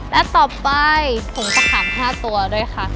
และต่อไปผงจะถาม๕ตัวด้วยค่ะ